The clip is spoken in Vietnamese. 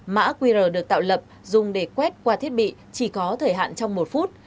mã qr được tạo lập dùng để quét qua thiết bị chỉ có thời hạn trong một phút